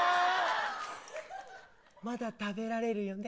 まだ食べられるよね。